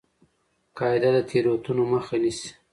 قاعده د تېروتنو مخه نیسي.